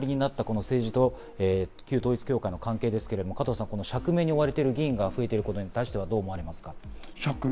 この事件によって浮き彫りになった政治と旧統一教会の関係ですが、釈明に追われている議員が増えていることに対してどう思われますか？